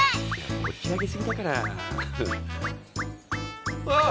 持ち上げすぎだからあっ！